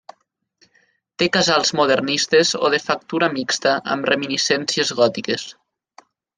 Té casals modernistes o de factura mixta amb reminiscències gòtiques.